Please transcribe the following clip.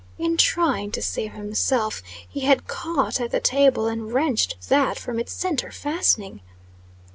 In trying to save himself, he had caught at the table, and wrenched that from its centre fastening.